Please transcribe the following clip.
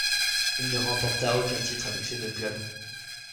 Il ne remporta aucun titre avec ses deux clubs.